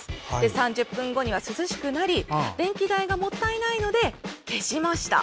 ３０分後には涼しくなり電気代がもったいないので消しました。